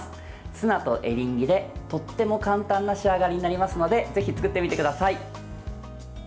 ツナとエリンギでとっても簡単な仕上がりになりますのでぜひ作ってみてください。